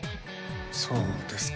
そうですか